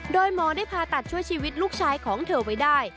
โดยหมอได้ผ่าตัดช่วยชีวิตลูกชายของเธอไว้ได้